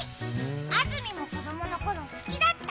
あずみも子供のころ、好きだった？